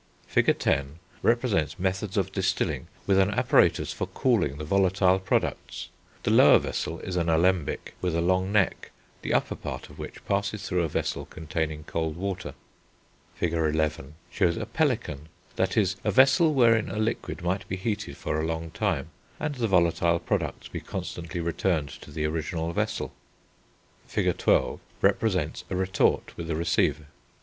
Fig. X. p. 85, represents methods of distilling with an apparatus for cooling the volatile products; the lower vessel is an alembic, with a long neck, the upper part of which passes through a vessel containing cold water. [Illustration: Fig XIII. See p. 94.] Fig. XI. p. 88, shows a pelican, that is a vessel wherein a liquid might be heated for a long time, and the volatile products be constantly returned to the original vessel. Fig. XII. p. 89, represents a retort with a receiver.